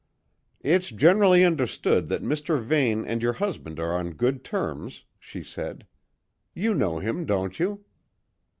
"It's generally understood that Mr. Vane and your husband are on good terms," she said. "You know him, don't you?"